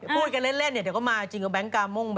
พูดกันเล่นเดี๋ยวก็มาจริงแบงก์กาม่ง